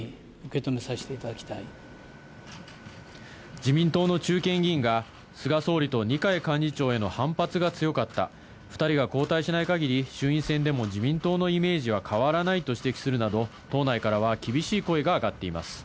自民党の中堅議員が菅総理と二階幹事長への反発が強かった、２人が交代しない限り、衆院選でも自民党のイメージは変わらないと指摘するなど党内からは厳しい声があがっています。